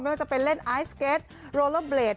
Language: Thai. ไม่ว่าจะเป็นเล่นไอซ์เก็ตโรเลอร์เบรด